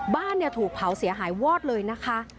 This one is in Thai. บ้านเนี่ยถูกเผาเสียหายวอดเลยนะคะ